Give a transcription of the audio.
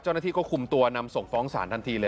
เจ้าหน้าที่ก็กลุ่มตัวนำส่งฟ้องสารทันที